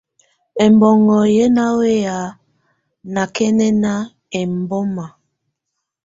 Ɛmbɔŋɔ́ yɛ́ ná wɛ́yá nákɛ́nɛná ɛmbɔ́má.